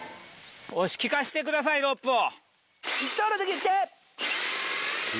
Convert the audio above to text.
よし効かせてくださいロープを！